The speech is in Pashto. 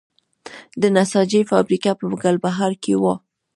د نساجي فابریکه په ګلبهار کې وه